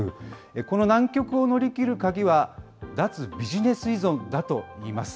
この難局を乗り切る鍵は、脱ビジネス依存だといいます。